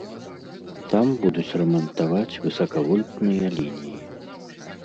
Там будуць рамантаваць высакавольтныя лініі.